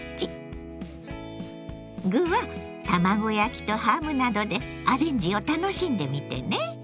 具は卵焼きとハムなどでアレンジを楽しんでみてね。